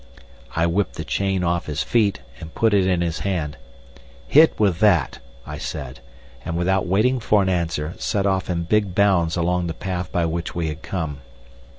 I whipped the chain off his feet, and put it in his hand. "Hit with that!" I said, and without waiting for an answer, set off in big bounds along the path by which we had come.